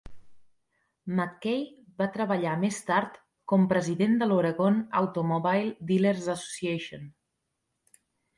McKay va treballar més tard com president de l"Oregon Automobile Dealer's Association.